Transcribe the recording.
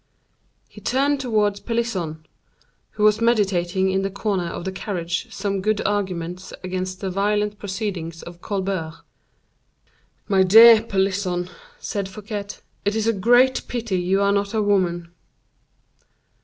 He turned towards Pelisson, who was meditating in the corner of the carriage some good arguments against the violent proceedings of Colbert. "My dear Pelisson," said Fouquet, "it is a great pity you are not a woman."